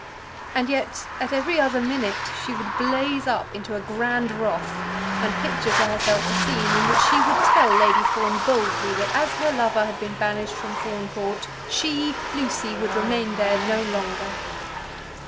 And yet at every other minute she would blaze up into a grand wrath, and picture to herself a scene in which she would tell Lady Fawn boldly that as her lover had been banished from Fawn Court, she, Lucy, would remain there no longer.